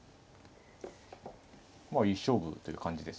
まあいい勝負という感じですよね。